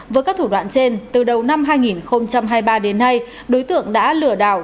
với các thủ đoạn trên từ đầu năm hai nghìn hai mươi ba đến nay đối tượng đã lừa đảo